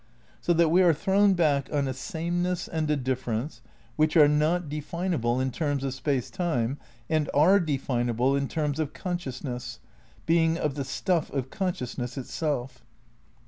So that we are thrown back on a sameness and a difference which are not definable in terms of Space Time and are definable in terms of consciousness, being of the stuff of con sciousness itself.